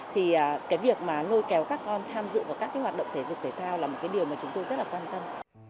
thì việc lôi kéo các con tham dự vào các hoạt động thể dục thể thao là một điều mà chúng tôi rất là quan tâm